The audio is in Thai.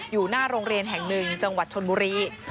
อยู่หน้าโรงเรียนแห่งหนึ่งจังหวัดชนบุรี